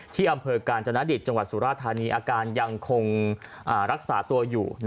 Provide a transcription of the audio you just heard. ที่อำเภอกาญจนดิตจังหวัดสุราธานีอาการยังคงรักษาตัวอยู่